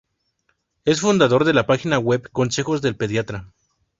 Es fundador de la página web "Consejos del pediatra".